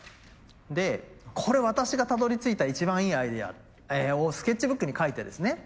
で「これ私がたどりついた一番いいアイデア」をスケッチブックにかいてですね